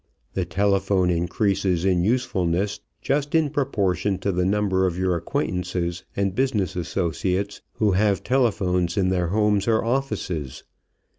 The telephone increases in usefulness just in proportion to the number of your acquaintances and business associates who have telephones in their homes or offices.